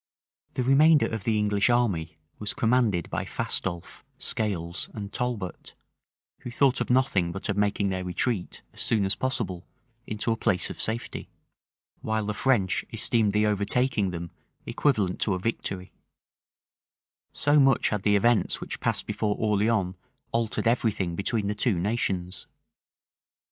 The remainder of the English army was commanded by Fastolffe, Scales, and Talbot, who thought of nothing but of making their retreat, as soon as possible, into a place of safety; while the French esteemed the overtaking them equivalent to a victory; so much had the events which passed before Orleans altered every thing between the two nations!